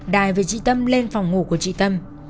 đài về chị tâm lên phòng ngủ của chị tâm